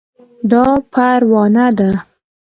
دا پروانه ده